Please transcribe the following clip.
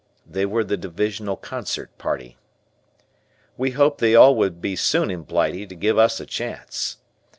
They were the Divisional Concert Party. We hoped they all would be soon in Blighty to give us a chance.